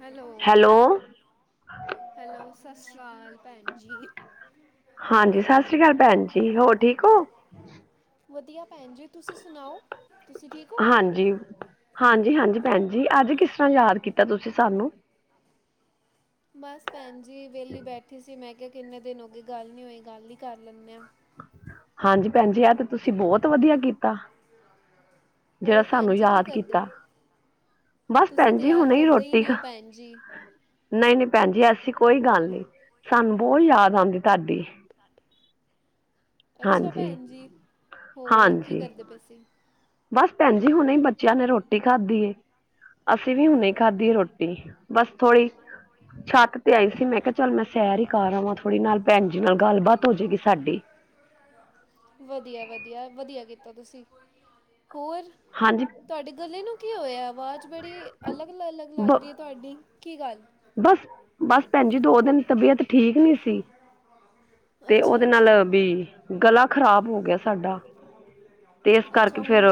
Hello hello ਸਤਿ ਸ਼੍ਰੀ ਅਕਾਲ ਭੈਣ ਜੀ ਹਾਂਜੀ ਸਤਿ ਸ੍ਰੀ ਅਕਾਲ ਭੈਣ ਜੀ ਹੋਰ ਠੀਕ ਹੋ ਵਧੀਆ ਭੈਣ ਜੀ ਤੁਸੀਂ ਸੁਣਾਓ ਤੁਸੀਂ ਠੀਕ ਹੋ ਹਾਂਜੀ ਹਾਂਜੀ ਜੀ ਹਾਂਜੀ ਭੈਣ ਜੀ ਅੱਜ ਕਿਸ ਤਰ੍ਹਾਂ ਯਾਦ ਕੀਤਾ ਤੁਸੀਂ ਸਾਨੂੰ ਬਸ ਭੈਣ ਜ ਜੀ ਵਿਹਲੀ ਬੈਠੀ ਸੀ ਮੈਂ ਠ ਕਿੰਨੇ ਦਿਨ ਹੋ ਗ ਗੱਲ ਨਹੀਂ ਹੋਏ ਗੱਲ ਹੀ ਕਰ ਲੈਂਦੇ ਹਾਂ ਹਾਂਜੀ ਭੈਣਜੀ ਆ ਤੇ ਤੁਸੀਂ ਬਹੁਤ ਵਧੀਆ ਕੀਤਾ ਜਿਹੜਾ ਹੋਰ ਸਾਨੂੰ ਭੈਣ ਜੀ ਕੀ ਯਾਦ ਕਰਦੇ ਕੀਤਾ, ਬਸ ਤੁਸੀਂ ਭੈਣ ਤਾਂ ਜੀ ਯਾਦ ਹੁਣੇ ਹੀ ਕਰਦੇ ਰੋਟੀ ਨਹੀਂ ਹੋ ਖਾ, ਭੈਣ ਜੀ ਨਹੀਂ ਨਹੀਂ ਭੈਣ ਜੀ ਐਸੀ ਕੋਈ ਗੱਲ ਨੀ ਸਾਨੂੰ ਬਹੁਤ ਯਾਦ ਆਉਂਦੀ ਤੁਹਾਡੀ ਅੱਛਾ ਹਾਂਜੀ ਭੈਣ ਜੀ ਹੋਰ ਕੀ ਹਾਂਜੀ ਕਰਦੇ ਤੁਸੀਂ ਬਸ ਭੈਣ ਜੀ ਹੁਣੇ ਹੀ ਬੱਚਿਆਂ ਨੇ ਰੋਟੀ ਖਾਧੀ ਹੈ ਅਸੀਂ ਵੀ ਹੁਣੇ ਖਾਧੀ ਹੈ ਰੋਟੀ ਬਸ ਥੋੜ੍ਹੀ ਛੱਤ ਤੇ ਆਈ ਸੀ ਮੈਂ ਕਿਹਾ ਚੱਲ ਮੈਂ ਸੈਰ ਹੀ ਕਰਵਾਂ ਥੋੜ੍ਹੀ ਨਾਲ ਭੈਣ ਜੀ ਨਾਲ ਗੱਲਬਾਤ ਹੋਜਏਗੀ ਸਾਡੀ ਵਧੀਆ ਵਧੀਆ, ਵਧੀਆ ਕੀਤਾ ਤੁਸੀਂ ਹੋਰ ਹਾਂਜੀ ਤੁਹਾਡੇ ਗੱਲੇ ਨੂੰ ਕੀ ਹੋਇਆ ਆਵਾਜ਼ ਬੜੀ ਅਲੱਗ ਅਲੱਗ ਲੱਗ ਬ ਰਹੀ ਹੈ ਤੁਹਾਡੀ ਕੀ ਗੱਲ ਬਸ ਬਸ ਭੈਣ ਜ ਦੋ ਉਹ ਦਿਨ ਤਬੀਅਤ ਠੀਕ ਨੀ ਸੀ, ਤੇ ਅੱਛਾ ਉਹਦੇ ਨਾਲ ਅੱਛਾ ਵੀ ਗਲਾ ਖਰਾਬ ਗਿਆ ਸਾਡਾ ਤੇ ਇਸ ਅੱਛਾ ਕਰਕੇ ਹੁਣ ਫੇਰ,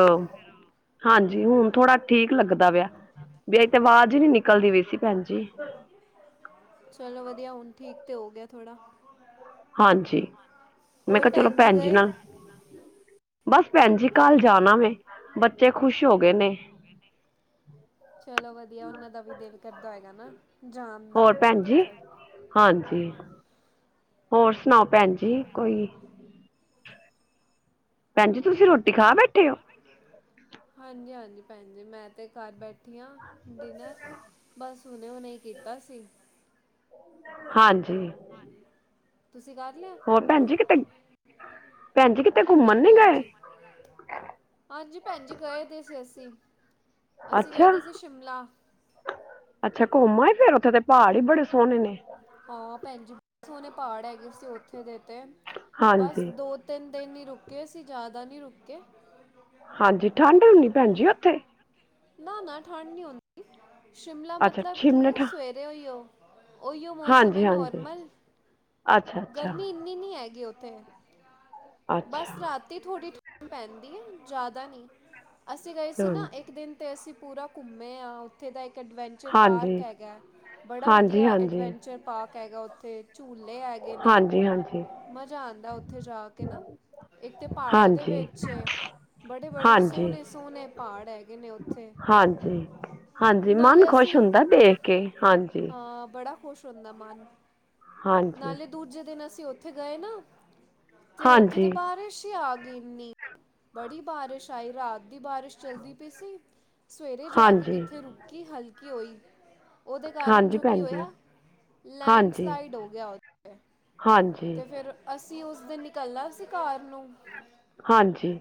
ਹਾਂਜੀ ਹੁਣ ਥੋੜਾ ਠੀਕ ਲੱਗਦਾ ਪਿਆ, ਨਹੀ ਤੇ ਆਵਾਜ਼ ਹੀ ਨੀ ਨਿਕਲਦੀ ਪਈ ਸੀ ਭੈਣ ਜੀ ਚਲੋ ਚਲ ਵਧੀਆ ਹੁਣ ਠੀਕ ਤੇ ਹੋ ਗਿਆ ਥੋੜਾ ਹਾਂਜੀ ਮੈਂ ਕਿਹਾ ਚਲੋ ਭੈਣ ਜੀ ਨਾਲ ਬਸ ਭੈਣ ਜੀ ਕੱਲ ਜਾਣਾ ਵੈਂ ਬੱਚੇ ਖ਼ੁਸ਼ ਹੋ ਗਏ ਨੇ ਚਲੋ ਵਧੀਆ ਉਹਨਾਂ ਦਾ ਵੀ ਦਿਲ ਕਰਦਾ ਹੋਏਗਾ ਨਾ ਜਾਣ ਦਾ ਹੋਰ ਭੈਣ ਜੀ ਉੱਥੇ ਹਾਂਜੀ ਹੋਰ ਸੁਣਾਓ ਭੈਣ ਜੀ ਕੋਈ ਭੈਣ ਜੀ ਤੁਸੀਂ ਰੋਟੀ ਖਾ ਬੈਠੇ ਹੋ ਹਾਂਜੀ ਹਾਂਜੀ ਭੈਣ ਜੀ ਮੈਂ ਤੇ [unintelligible] ਠੀਆਂ ਡਿਨਰ ਬਸ ਹੁਣੇ ਹੁਣੇ ਕੀਤਾ ਸੀ ਹਾਂਜੀ ਤੁਸੀਂ ਕਰ ਲਿਆ ਹੋਰ ਭੈਣ ਜੀ ਕਿਤੇ ਭੈਣ ਜੀ ਕਿਤੇ ਘੁੰਮਣ ਨੀ ਹਾਂਜੀ ਗਏ ਹਾਂਜੀ ਹਾਂਜੀ ਭੈਣਜੀ ਕਹੇ ਦੇ ਸੀ ਅਸੀਂ ਅਸੀਂ ਗਏ ਅੱਛਾ ਦੇ ਸੀ ਸ਼ਿਮਲਾ ਅੱਛਾ ਘੁੰਮਾ ਆਏ ਫੇਰ ਉੱਥੇ ਦੇ ਪਹਾੜ ਹੀ ਬੜੇ ਸੋਹਣੇ ਨੇ ਹਾਂ ਭੈਣ ਜੀ ਬੇ ਸੋਹਣੇ ਪਹਾੜ ਹੈਗੇ ਉੱਥੇ ਦੇ ਤੇ ਬਸ ਹਾਂਜੀ ਦੋ ਤਿੰਨ ਦਿਨ ਹੀ ਰੁਕੇ ਅਸੀਂ ਜ਼ਿਆਦਾ ਨੀ ਰੁਕੇ ਹਾਂਜੀ ਠੰਢ ਹੋਣੀ ਭੈਣ ਜੀ ਓਥੇ ਨਾ ਨਾ ਠੰਡ ਨਹੀਂ ਹੁੰਦੀ ਸ਼ਿਮਲਾ ਅੱਛਾ ਮਤਲਬ ਕੀ ਸ਼ਿਮਲੇ ਹੈ ਠਾ ਸਵੇਰੇ ਓਹੀਓ ਉਹੀਓ ਹਾਂਜੀ ਸਮੇਂ ਹਾਂਜੀ ਨੋਰਮਲ ਅੱਛਾ ਅੱਛਾ ਗਰਮੀ ਇੰਨੀ ਨਹੀਂ ਹੈਗੀ ਓਹ ਥੇ ਅੱਛਾ ਬਸ ਰਾਤੀ ਥੋੜੀ ਪੈਂਦੀ ਹੈ ਜ਼ਿਆਦਾ ਨਹੀਂ ਅਸੀਂ ਗਏ ਸੀ ਹਮ ਨਾ ਇੱਕ ਦਿਨ 'ਤੇ ਅਸੀਂ ਪੂਰਾ ਘੁੰਮੇ ਆ ਉੱਥੇ ਦਾ ਇੱਕ ਐਡਵੈਂਚਰ ਪਾਰਕ ਹਾਂਜੀ ਹੈਗਾ ਬੜਾ ਹਾਂਜੀ ਵਧੀਆ ਹਾਂਜੀ ਐਡਵੈਂਚ ਪਾਰਕ ਹੈਗਾ ਉੱਥੇ ਝੂਲੇ ਹੈਗੇ ਨੇ ਹਾਂਜੀ ਹਾਂਜੀ ਮਜ਼ਾ ਆਂਦਾ ਉੱਥੇ ਜਾ ਕੇ ਨਾ ਇੱਕ ਤੇ ਪਹਾੜਾਂ ਦੇ ਹਾਂਜੀ ਵਿੱਚ ਬੜੇ ਬੜੇ ਹਾਂਜੀ ਸੋਹਣੇ ਸੋਹਣੇ ਪਹਾੜ ਹੈਗੇ ਨੇ ਉੱਥੇ ਹਾਂਜੀ ਹਾਂਜੀ ਮਨ ਨਾਲੇ ਖੁਸ਼ ਅਸੀਂ ਹੁੰਦਾ ਦੇਖ ਕੇ ਹਾਂਜੀ ਹਾਂ ਬੜਾ ਬੰਦਾ ਮਾਰ ਹਾਂਜੀ ਨਾਲੇ ਦੂਜੇ ਦਿਨਸੀਂ ਅਸੀਂ ਉੱਥੇ ਗਏ ਨਾ ਤੇ ਉੱਥੇ ਤੇ ਹਾਂਜੀ ਬਾਰਿਸ਼ ਹੀ ਆ ਗਈ ਇੰਨੀ ਬੜੀ ਬਾਰਿਸ਼ ਆਈ ਰਾਤ ਦੀ ਬਾਰਿਸ਼ ਚੱਲਦੀ ਪਈ ਸੀ ਸਵੇਰੇ ਜਾ ਕੇ ਹਾਂਜੀ ਕਿੱਥੇ ਰੁਕੀ ਹਲਕੀ [unintelligible] [inaudible] ਉਹਦੇ ਕਾਰਨ ਹਾਂਜੀ ਜੋ ਕੀ ਭੈਣ ਜੀ ਹੋਇਆ ਹਾਂਜੀ ਲੈਂਡਸਲਾਈਡ ਹੋ ਗਿਆ ਓਥੇ ਹਾਂਜੀ ਤੇ ਫਿਰ ਅਸੀਂ ਉਸ ਦਿਨ ਨਿਕਲਣਾ ਸੀ ਘਾਰ ਨੂੰ ਹਾਂਜੀ।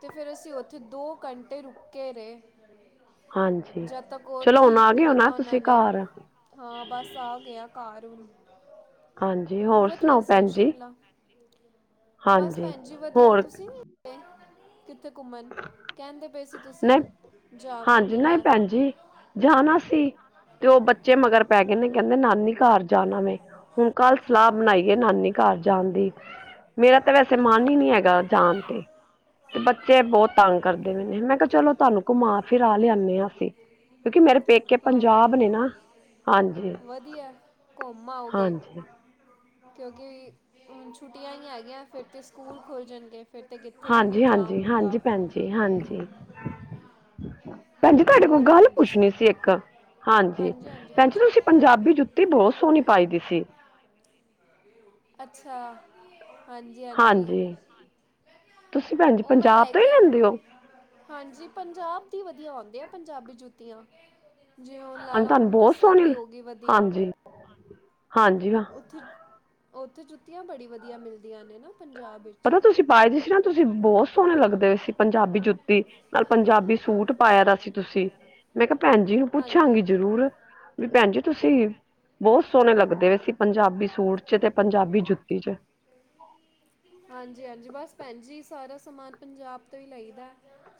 ਤੇ ਫਿਰ ਅਸੀਂ ਉੱਥੇ ਦੋ ਘੰਟੇ ਰੁਕੇ ਰੇ ਹਾਂਜੀ, ਚਲੋ ਹੁਣ ਆ ਗਏ ਹੋ ਨਾ ਕੀਤਾ ਉਹਨਾਂ ਤੁਸੀਂ ਨੇ ਘਰ ਹਾਂ ਬਸ ਆ ਗਏ ਘਰ ਹੁਣ ਹਾਂਜੀ, ਹੋਰ ਵਧੀਆ ਸੁਣਾਓ ਸੀ ਭੈਣ ਜੀ ਸ਼ਿਮਲਾ ਬਸ ਹਾਂਜੀ ਭੈਣ ਜੀ ਵਧੀਆ ਹੋਰ ਤੁਸੀਂ ਨੀ ਗਏ। ਕਿੱਥੇ ਘੁੰਮਣ ਕਹਿੰਦੇ ਪਏ ਸੀ ਤੁਸੀਂ ਨਹੀਂ ਹਾਂਜੀ ਜਾਵਾਂਗੀ ਨਹੀਂ ਮੈਂ ਭੈਣ ਜੀ ਜਾਣਾ ਸੀ ਤੇ ਉਹ ਬੱਚੇ ਮਗਰ ਪੈ ਗਏ ਨੇ ਕਹਿੰਦੇ ਨਾਨੀ ਘਰ ਜਾਣਾ ਵੈਂ, ਹੁਣ ਕੱਲ ਸਲਾਹ ਬਣਾਈਏ ਨਾਨੀ ਘਰ ਜਾਣ ਦੀ ਮੇਰਾ ਤਾਂ ਵੈਸੇ ਮਨ ਹੀ ਨੀ ਹੈਗਾ ਜਾਣ ਤੇ ਤੇ ਬ ਬਹੁਤ ਤੰਗ ਕਰਦੇ ਪਿਏ ਨੇ ਮੈਂ ਕਿਹਾ ਚਲੋ ਤੁਹਾਨੂੰ ਘੁੰਮਾ ਫਿਰਰਾ ਲਿਆਣੇ ਆਂ ਹਾਂ ਅਸੀਂ ਕਿਉਂਕਿ ਮੇਰੇ ਪੇਕੇ ਹਾਂ ਪੰਜਾਬ ਨੇ ਨਾ ਹਾਂਜੀ, ਵਧੀਆ ਘੁੰਮ ਆਓਗੇ ਹਾਂਜੀ ਕਿਉਂਕਿ ਛੁੱਟੀਆਂ ਹੀ ਹੈਗੀਆਂ ਫਿਰ ਤੇ ਸਕੂਲ ਖੁੱਲ ਜਾਣਗੇ। ਫਿਰ ਤੇ ਕਿੱਥੇ ਵੀ ਨਹੀਂ ਹਾਂਜੀ, ਜਾ ਹਾਂਜੀ, ਹੁੰਦਾ ਹਾਂਜੀ ਭੈਣਜੀ ਹਾਂਜੀ ਬਿਲਕੁਲ। ਭੈਜੀ ਤੁਹਾਡੇ ਕੋਲ ਹੋਰ ਗੱਲ ਭੈਣ ਜੀ ਪੁੱਛਣੀ ਸੀ ਇੱਕ ਹਾਂਜੀ, ਹਾਂਜੀ ਭੈਣਜੀ ਤੁਸੀਂ ਪੁੱਛੋ ਪੰਜਾਬੀ ਜੁੱਤੀ ਬਹੁਤ ਸੋਹਣੀ ਪਾਈ ਦੀ ਸੀ। ਅੱਛਾ। ਹਾਂਜੀ, ਹਾਂਜੀ ਤੁਸੀਂ ਭੈਣ ਜੀ ਉਹ ਮੈਂ ਪੰਜਾਬ ਲੈ ਤੋਂ ਹੀ ਕੇ ਆ ਲੈਂਦੇ ਹੋ ਹਾਂਜੀ ਪੰਜਾਬ ਦੀ ਵਧੀਆ ਹੁੰਦਾ। ਪੰਜਾਬੀ ਜੁੱਤੀਆਂ ਜੇ ਓ ਲਾ ਹਾਂਜੀ ਲਓ ਤੁਹਾਨੂੰ ਬਹੁਤ ਅੰਮ੍ਰਿਤਸਰ ਦੀ ਸੋਹਣੀ ਹੋ ਗਈ ਵਧੀਆ ਹਾਂਜੀ ਉੱਥੇ [unintelligible] ਉੱਥੇ ਜੁੱਤੀਆਂ ਬੜੀ ਵਧੀਆ ਮਿਲਦੀਆਂ ਨੇ ਨਾ ਪੰਜਾਬ ਵਿੱਚ ਪਤਾ ਤੁਸੀਂ ਪਾਏ ਦੀ ਸੀ ਨਾ ਤੁਸੀਂ ਬਹੁਤ ਸੋਹਣੇ ਲੱਗਦੇ ਏ ਸੀ। ਪੰਜਾਬੀ ਜੁੱਤੀ ਲ ਪੰਜਾਬੀ ਸੂਟ ਪਾਇਆ ਦਾ ਸੀ ਤੁਸੀਂ ਮੈਂ ਕਿਹਾ ਭੈਣ ਜੀ ਨੂੰ ਹਾਂਜੀ ਪੁੱਛਾਂਗੀ ਹਾਂਜੀ ਜ਼ਰੂਰ ਵੀ ਭੈਣ ਜੀ ਤੁਸੀਂ ਬਹੁਤ ਸੋਹਣੇ ਲੱਗਦੇ ਏ ਸੀ ਪੰਜਾਬੀ ਸੂਟ ਚ ਤੇ ਪੰਜਾਬੀ ਜੁੱਤੀ ਚ ਹਾਂਜੀ, ਹਾਂਜੀ ਬਸ ਭੈਣ ਜੀ ਸਾਰਾ ਸਮਾਨ ਪੰਜਾਬ ਤੋਂ ਹੀ ਲਈਦਾ ਐ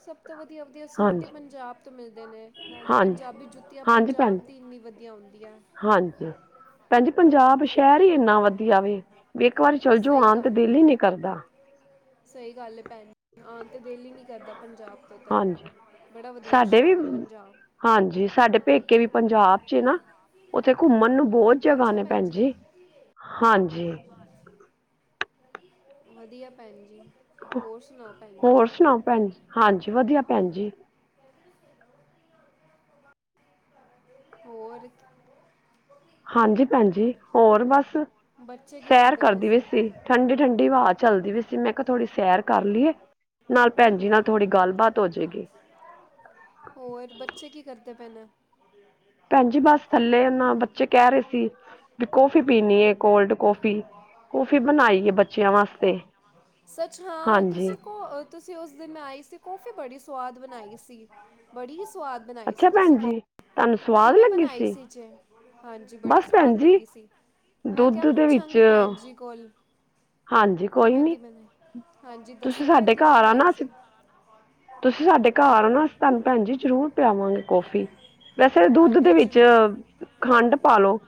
ਸਭ ਤੋਂ ਵਧੀਆ, ਵਧੀਆ ਸੂਟ ਹੀ ਹਾਂਜੀ ਪੰਜਾਬ ਤੋਂ ਮਿਲਦੇ ਨੇ ਨਾਲੇ ਹਾਂਜੀ ਪੰਜਾਬੀ ਜੁੱਤੀਆਂ ਹਾਂਜੀ ਭੈਣ ਪੰਜਾਬ ਦੀ ਇੰਨੀ ਵਧੀਆ ਹੁੰਦੀਆਂ। ਹਾਂਜੀ ਭੈਣ ਜੀ ਪੰਜਾਬ ਸ਼ਹਿਰ ਹੀ ਏੰਨਾ ਵਧੀਆ ਵੇ ਇੱਕ ਵਾਰੀ ਚੱਲ ਜੋ ਸਹੀ ਆਣ ਤੇ ਗੱਲ ਹੈ ਦਿਲ ਹੀ ਨੀ ਕਰਦਾ। ਸਹੀ ਗੱਲ ਹੈ। ਭੈਣ ਆਣ ਤੇ ਦਿਲ ਹੀ ਨੀ ਕਰਦਾ। ਪੰਜਾਬ ਤੋਂ ਤਾਂ ਹਾਂਜੀ, ਬੜਾ ਵਧੀਆ ਸਾਡੇ ਵੀ ਸ਼ਹਿਰ ਹੈ ਪੰਜਾਬ ਹਾਂਜੀ ਸਾਡੇ ਪੇਕੇ ਵੀ ਪੰਜਾਬ ਚੇ ਨਾ ਉੱਥੇ ਘੁੰਮਣ ਨੂੰ ਬਹੁਤ ਜਗ੍ਹਾ ਨੇ ਭੈਣ ਜੀ ਹਾਂਜੀ। ਵਧੀਆ ਭੈਣ ਜੀ। ਹੋਰ ਸੁਣਾਓ ਭੈਣ ਜੀ ਹੋਰ ਸੁਣਾਓ ਭੈਣ ਜੀ, ਹਾਂਜੀ ਵਧੀਆ ਭੈਣ ਜੀ। ਹੋਰ ਹਾਂਜੀ, ਭੈਣ ਜੀ ਹੋਰ ਬਸ, ਬੱਚੇ ਕੀ ਸੈਰ ਕਰਦੇ ਪਏ ਕਰਦੀ ਪਈ ਸੀ ਠੰਡੀ ਠੰਡੀ ਹਵਾ ਚੱਲਦੀ ਪਈ ਸੀ। ਅ ਮੈਂ ਕਿਹਾ ਥੋੜ੍ਹੀ ਸੈਰ ਕਰ ਲਈਏ, ਨਾਲ ਭੈਣ ਜੀ ਨਾਲ ਥੋੜ੍ਹੀ ਗੱਲਬਾਤ ਹੋਜੇਗੀ। ਹੋਰ ਬੱਚੇ ਕੀ ਕਰਦੇ ਪਏ ਨੇ। ਭੈਣ ਜੀ ਬਸ ਥੱਲੇ ਨਾ ਬੱਚੇ ਕਹਿ ਰਹੇ ਸੀ, ਕੀ ਕੋਫੀ ਪੀਣੀ ਹੈ ਕੋਲਡ ਕਾਫੀ, ਕਾਫੀ ਬਣਾਈ ਹੈ ਬੱਚਿਆਂ ਵਾਸਤੇ। ਸੱਚ ਹਾਂ, ਹਾਂਜੀ ਤੁਸੀਂ ਕੋ ਤੁਸੀਂ ਉਸ ਦਿਨ ਆਈ ਸੀ ਕੋ ਬੜੀ ਸਵਾਦ ਬਣਾਈ ਸੀ। ਬੜੀ ਸ ਸਵਾਦ ਬਣਾਈ ਸੀ ਅੱਛਾ ਤੁਸੀਂ ਭੈਣ ਕ ਜੀ [unintelligible] ਤੁਹਾਨੂੰ ਸਵਾਦ ਕਿਵੇਂ ਲੱਗੀ ਬਣਾਈ ਸੀ ਚੇ। ਹਾਂਜੀ ਬੜੀ ਬਸ ਭੈਣ ਸਵਾਦ ਜੀ ਲੱਗੀ ਸੀ। ਮੈਂ ਕਿਹਾ ਦੁੱਧ ਦੇ ਵਿੱਚ ਪੁੱਛਾਂਗੀ ਭੈਣ ਜੀ ਕੋਲ ਹਾਂਜੀ ਕੋਈ ਕਿਵੇਂ ਦੀ ਨੀ। ਬਣਾਈ? ਹਾਂਜੀ ਤੁਸੀਂ ਦੱਸੋ ਫਿਰ ਸਾਡੇ ਕਿਵੇਂ ਘਰ ਬਣਾਈ ਆਣਾ, ਸੀ? ਤੁਸੀਂ ਸਾਡੇ ਘਰ ਆਣਾ ਅਸੀਂ ਤੁਹਨੂੰ ਭੈਣ ਜੀ ਜ਼ਰੂਰ ਪਿਆਵਾਂਗੇ। ਕੋਫੀ ਵੈਸੇ ਦੁੱਧ ਹਾਂਜੀ ਦੇ ਵਿੱਚ ਜ਼ਰੂਰ ਖੰਡ ਪਾਲੋ।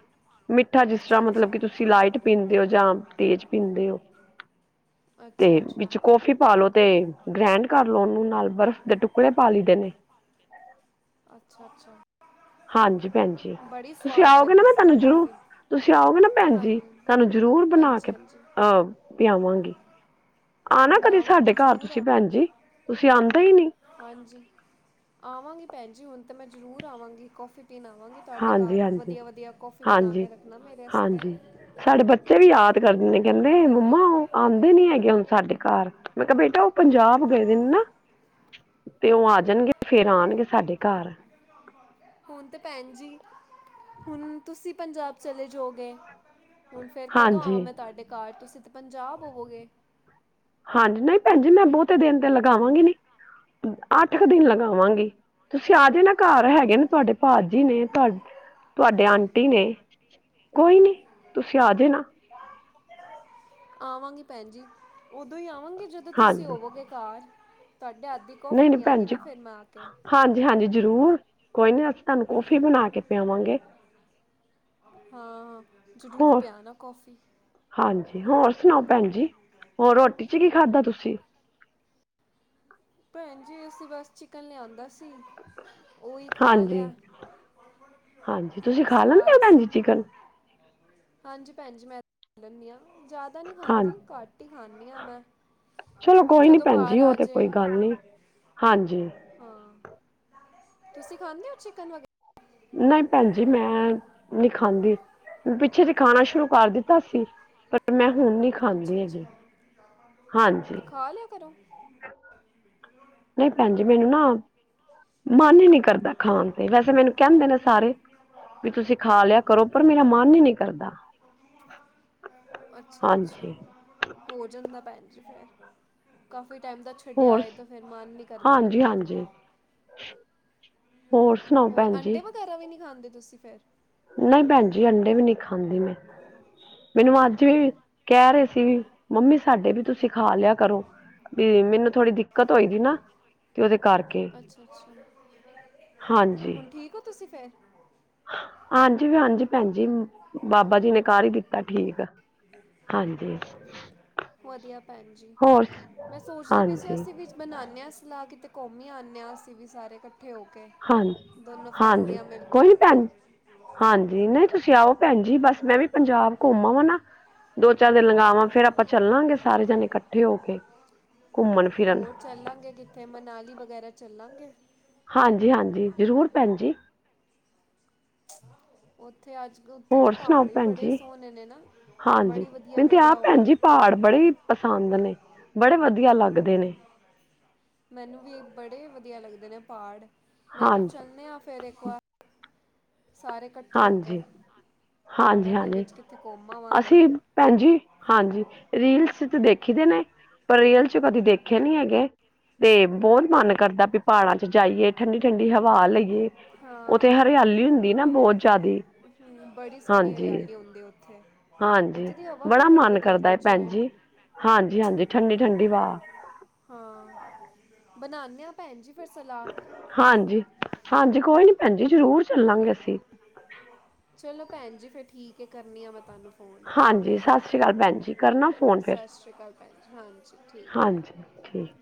ਮਿੱਠਾ ਜਿਸ ਤਰ੍ਹਾਂ ਅੱਛਾ ਮਤਲਬ ਅੱਛਾ ਕਿ ਤੁਸੀਂ ਲਾਈਟ ਪੀਂਦੇ ਹੋ, ਜਾਂ ਤੇਜ਼ ਪੀਂਦੇ ਹੋ। ਤੇ ਅੱਛਾ ਅੱਛਾ। ਵਿੱਚ ਕੌਫੀ ਪਾਲੋ ਤੇ ਗ੍ਰੈਂਡ ਕਰ ਲੋ ਉਹਨੂੰ ਨਾਲ ਬਰਫ਼ ਦੇ ਟੁਕੜੇ ਪਾ ਲਈਦੇ ਨੇ। ਅੱਛਾ ਅੱਛਾ ਹਾਂਜੀ ਭੈਣ ਜੀ ਬੜੀ ਤੁਸੀਂ ਸਵਾਦ ਆਓਗੇ ਨਾ ਬਣੀ ਮੈਂ ਸੀ ਤੁਹਾਨੂੰ ਜ਼ਰੂਰ ਕੌਫੀ ਤੁਸੀਂ ਆਓਗੇ ਨਾ ਭੈਣ ਜੀ ਹਾਂਜੀ ਤੁਹਾਨੂੰ ਜ਼ਰੂਰ ਬਣਾ ਹਾਂਜੀ ਕੇ ਹਾਂਜੀ ਅਹ ਪਿਆਵਾਂਗੀ। ਆਨਾ ਮੈਂ ਕਦੀ ਆਵਾਂਗੀ ਸਾਡੇ ਘਰ ਜ਼ਰੂਰ ਤੁਸੀਂ ਆਵਾਂ ਭੈਨਜੀ ਤੁਸੀਂ ਆਂਦੇ ਈ ਨੀ। ਹਾਂਜੀ ਆਵਾਂਗੀ ਭੈਣ ਜੀ ਹੁਣ ਤਾਂ ਮੈਂ ਜ਼ਰੂਰ ਆਵਾਂਗੀ ਕੌਫੀ ਰੋਟੀ ਖਾਵਾਂਗੀ ਥੋਡੇ ਹਾਂਜੀ ਘਰ ਹਾਂਜੀ ਵਧੀਆ ਵਧੀਆ ਕੌਫੀ ਬਣਾ ਹਾਂਜੀ ਕੇ ਰੱਖਣਾ ਮੇਰੇ ਵਸਤੇ। ਹਾਂਜੀ ਸਾਡੇ ਬੱਚੇ [unintelligible] ਨੇ ਕਹਿੰਦੇ ਮੰਮਾ ਉਹ ਆਉਂਦੇ ਨੀ ਹੈਗੇ ਹੁਣ ਸਾਡੇ ਘਰ, ਮੈਂ ਕਿਹਾ ਬੇਟਾ ਉਹ ਪੰਜਾਬ ਗਏ ਦੇ ਨੇ ਨਾ ਤੇ ਉਹ ਆ ਜਾਣਗੇ ਫੇਰ ਆਣਗੇ ਸਾਡੇ ਘਰ। ਹੁਣ ਤੇ ਭੈਣ ਜੀ ਹੁਣ ਤੁਸੀਂ ਪੰਜਾਬ ਚਲੇ ਜਾਓਗੇ। ਹੁਣ ਫੇਰ ਕਦੋਂ ਆਵਾਂ ਹਾਂਜੀ ਮੈਂ ਤੁਹਾਡੇ ਘਰ ਤੁਸੀਂ। ਪੰਜਾਬ ਹੋਵੋਗੇ। ਹਾਂਜੀ, ਨਹੀਂ ਭੈਣ ਜੀ ਮੈਂ ਬਹੁਤੇ ਦਿਨ ਤੇ ਲਗਾਵਾਂਗੀ। ਨੀ ਅੱਠ ਕੁ ਦਿਨ ਲਗਾਵਾਂਗੀ। ਤੁਸੀਂ ਆਜੇ ਨਾ ਘਰ ਹੈਗੇ ਨੇ ਤੁਹਾਡੇ ਭਾਜੀ ਨੇ ਤੁਹਾਡੇ ਆਂਟੀ ਨੇ ਕੋਈ ਨੀ ਤੁਸੀਂ ਆਜੇ ਨਾ। ਆਵਾਂਗੀ ਭੈਣ ਜੀ ਓਦੋਂ ਹੀ। ਹਾਂਜੀ, ਜਦੋਂ ਤੁਸੀਂ ਹਾਂਜੀ ਹੋਵੋਗੇ ਘਰ। ਤੁਹਾਡੇ ਹੱਥ ਦੀ ਕੌਫੀ ਨਹੀਂ -ਨਹੀਂ ਭੈਣ ਪੀਆਂਗੀ ਜੀ, ਨਾ ਫਿਰ ਮੈਂ ਆ ਕੇ ਹਾਂਜੀ -ਹਾਂਜੀ ਜ਼ਰੂਰ ਕੋਈ ਨੀ ਅ ਤੁਹਾਨੂੰ ਕੌਫੀ ਬਣਾ ਕੇ ਪਿਆਵਾਂਗੇ। ਹਾਂ ਜ਼ਰੂਰ ਹੋਰ ਪਿਆਣਾ ਕੌਫੀ ਹਾਂਜੀ, ਹੋਰ ਸੁਣਾਓ, ਭੈਣ ਜੀ ਹੋਰ ਰੋਟੀ ਚ ਕੀ ਖਾਧਾ ਤੁਸੀਂ, ਭੈਣ ਜੀ ਅਸੀਂ ਬਸ ਚਿਕਨ ਲਿਆਂਦਾ ਸੀ। ਉਹੀ ਖਾ ਹਾਂਜੀ ਲਿਆ -ਹਾਂਜੀ ਤੁਸੀਂ ਖਾ ਲੈਂਦੇ ਹੋ, ਸਵਾਦ ਸੀ ਭੈਣਜੀ ਚਿਕਨ ਹਾਂਜੀ ਭੈਣ ਜੀ ਮੈਂ ਤਾਂ [unintelligible] ਖਾ ਲੈਂਦੀ ਹਾਂ। ਜ਼ਿਆਦਾ ਨਹੀਂ ਖਾਂਦੀ ਹਾਂਜੀ ਘੱਟ ਹੀ ਖ਼ਾਨੀ ਹਾਂ ਮੈਂ ਜਦੋਂ ਘਰ ਆਜੇ ਨਹੀਂ ਹਾਂਜੀ। ਤੁਸੀਂ ਖਾਂਦੇ ਹੋ ਚਿਕਨ ਵਗੈਰਾ ਨਹੀਂ ਭੈਣ ਜੀ ਮੈਂ ਨਹੀਂ ਖਾਂਦੀ ਪਿੱਛੇ ਜੇ ਖਾਣਾ ਸ਼ੁਰੂ ਕਰ ਦਿੱਤਾ ਸੀ। ਪਰ ਮੈਂ ਹੁਣ ਨੀ ਅੱਛਾ ਖਾਂਦੀ ਹੈਗੀ ਅੱਛਾ ਹਾਂਜੀ ਤੇ ਖਾ ਲਿਆ ਕਰੋ। [unintelligible] ਨਹੀਂ ਭੈਣ ਜੀ ਮੈਨੂੰ ਨਾ ਮਨ ਹੀ ਨੀ ਕਰਦਾ। ਕਰਦਾ ਖਾਣ ਤੇ ਵੈਸੇ ਮੈਨੂੰ ਕਹਿੰਦੇ, ਨੇ ਸਾਰੇ ਵੀ ਤੁਸੀਂ ਖਾ ਲਿਆ ਕਰੋ। ਪਰ ਮੇਰਾ ਮਨ ਨੀ ਕਰਦਾ ਅੱਛਾ। ਅੱਛਾ ਹਾਂਜੀ ਹੋ ਜਾਂਦਾ ਕਾਫੀ ਕੋਈ ਟਾਈਮ ਦਾ ਛੱਡਿਆ ਹੋਰ ਹੋਇਆ ਤੇ ਫਿਰ ਮਨ ਨੀ ਕਰਦਾ ਨਾ ਹਾਂਜੀ ਖਾਣ ਹਾਂਜੀ ਦਾ ਹੋਰ ਸੁਣਾਓ ਭੈਣ ਜੀ। ਤੁਸੀ ਫੇਰ। ਨਹੀਂ ਭੈਣ ਜੀ ਅੰਡੇ ਵੀ ਨੀ ਖਾਂਦੀ, ਮੈਂ ਮੈਨੂੰ ਅੱਜ ਵੀ ਕਹਿ ਰਹੇ ਸੀ, ਵੀ ਮੰਮੀ ਸਾਡੇ ਵੀ ਤੁਸੀਂ ਖਾ ਲਿਆ ਕਰੋ ਵੀ ਮੈਨੂੰ ਥੋੜ੍ਹੀ ਦਿੱਕਤ ਹੋਈ ਦੀ ਨਾ ਤੇ ਉਹਦੇ ਕਰਕੇ ਅੱਛਾ ਅੱਛਾ ਹਾਂਜੀ ਫੇਰ ਹਾਂਜੀ ਵੀ ਹਾਂਜੀ, ਭੈਣ ਜੀ ਬਾਬਾ ਜੀ ਨੇ ਕਰ ਹੀ ਦਿੱਤਾ ਠੀਕ ਹਾਂਜੀ ਵਧੀਆ ਭੈਣ ਹੋਰ ਹਾਂਜੀ। ਅਸੀ ਵਿੱਚ ਬਣਾਦੇ ਹਾਂ ਸਲਾਹ ਕੀਤੇ ਘੁੰਮ ਆਣੇ ਹਾਂ ਅਸੀਂ ਵੀ ਸਾਰੇ ਇਕੱਠੇ ਹੋ ਕੇ ਹਾਂਜੀ ਦੋਨੋਂ -ਹਾਂਜੀ ਫੈਮਲੀਆਂ ਮਿਲ ਕੋਈ ਕੇ ਨੀ ਭੈਣ ਜੀ ਹਾਂਜੀ ਨਹੀਂ, ਤੁਸੀਂ ਆਓ ਭੈਣ ਜੀ ਬਸ ਮੈਂ ਵੀ ਪੰਜਾਬ ਘੁੰਮ ਵਾਂ ਨਾ ਦੋ ਚਾਰ ਦਿਨ ਲਗਾਵਾਂ ਫੇਰ ਆਪਾਂ ਚੱਲਾਂਗੇ ਸਾਰੇ ਜਾਣੇ ਇਕੱਠੇ ਹੋ ਕੇ ਘੁੰਮਣ ਫਿਰਨ ਹੋਰ ਚੱਲਾਂਗੇ ਕਿੱਥੇ ਮਨਾਲੀ ਵਗੈਰਾ ਚੱਲਾਂਗੇ। ਹਾਂਜੀ- ਹਾਂਜੀ ਜ਼ਰੂਰ ਭੈਣ ਜੀ। [unintelligible] ਉੱਥੇ ਅੱਜ ਉੱਥੇ ਦੇ ਹੋਰ ਸੁਣਾਓ ਪਹਾੜ ਵੀ ਭੈਣ ਬੜੇ ਜੀ, ਸੋਹਣੇ ਨੇ ਨਾ ਹਾਂਜੀ ਬੜੀ ਵਧੀਆ ਮੈਨੂੰ ਤੇ ਆ ਜਗ੍ਹਾ ਉਹ ਭੈਣ ਵੀ ਜੀ, ਪਹਾੜ ਬੜੇ ਪਸੰਦ ਨੇ ਬੜੇ ਵਧੀਆ ਵਧੀਆ ਲੱਗਦੇ ਨੇ। ਮੈਨੂੰ ਵੀ ਬੜੇ ਵਧੀਆ ਲੱਗਦੇ ਨੇ ਪਹਾੜ ਮੈਂ ਕਿਹਾ ਹਾਂਜੀ ਚੱਲਦੇ ਆ ਫੇਰ ਇੱਕ ਵਾਰ ਸਾਰੇ ਇਕੱਠੇ ਹੋ ਕੇ ਹਾਂਜੀ ਹਾਂਜੀ ਪਹਾੜਾਂ ਦੇ ਹਾਂਜੀ ਵਿੱਚ ਕਿੱਥੇ ਘੁੰਮ ਆਵਾਂਗੇ ਅਸੀਂ ਭੈਣ ਜੀ ਹਾਂਜੀ ਰੀਲਸ ਚ ਦੇਖ ਦੇਖੀ ਦੇ ਨੇ ਪਰ ਰੇਅਲ ਚ ਕਦੇ ਦੇਖੇ ਨੀ ਹੈਗੇ ਤੇ ਬਹੁਤ ਮਨ ਕਰਦਾ ਵੀ ਪਹਾੜਾਂ ਚ ਜਾਈਏ ਠੰਡੀ ਠੰਡੀ ਹਵਾ ਲਈਏ ਉੱਥੇ ਹਾਂ ਹਰਿਆਲੀ ਹੁੰਦੀ ਨਾ ਬਹੁਤ ਜ਼ਿਆਦੀ ਬੜੀ ਸੋਹਣੀ ਹਾਂਜੀ ਹਰਿਆਲੀ ਹੁੰਦੇ ਉੱਥੇ ਹਾਂਜੀ ਉੱਥੇ ਦੀ ਹਵਾ ਵੀ ਬੜਾ ਬੜੀ ਮਨ ਵਧੀਆ ਕਰਦਾ ਹੁੰਦੀ ਹੈ ਭੈਣ ਜਿਵੇਂ ਜੀ ਹਾਂਜੀ- ਹਾਂਜੀ ਠੰਡੀ -ਠੰਡੀ ਹਵਾ ਹਾਂ ਬਣਾਉਂਦੇ ਆਂ ਭੈਣ ਜੀ ਫਿਰ ਸਲਾਹ ਹਾਂਜੀ ਹਾਂਜੀ ਕੋਈ ਨੀ ਭੈਣ ਜੀ ਜ਼ਰੂਰ ਚੱਲਾਂਗੇ ਅਸੀਂ ਚਲੋ ਭੈਣ ਜੀ ਫਿਰ ਠੀਕ ਹੈ ਕਰਨੀ ਆ ਮੈਂ ਤੁਹਾਨੂੰ ਫੋਨ ਹਾਂਜੀ ਸਤਿ ਸ੍ਰੀ ਅਕਾਲ ਭੈਣ ਜੀ ਕਰਨਾ ਫੋਨ ਫੇਿਰ ਸਤਿ ਸ਼੍ਰੀ ਅਕਾਲ ਭੈਣ ਜੀ ਹਾਂਜੀ ਠੀਕ ਹਾਂਜੀ ਠੀਕ।